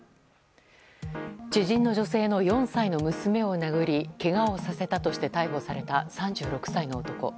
知人の女性の４歳の娘を殴りけがをさせたとして逮捕された３６歳の男。